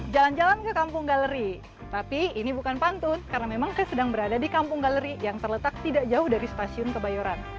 jalan jalan ke kampung galeri tapi ini bukan pantun karena memang saya sedang berada di kampung galeri yang terletak tidak jauh dari stasiun kebayoran